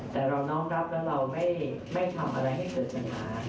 แต่เราน้องรับแล้วเราไม่ทำอะไรให้เกิดปัญหา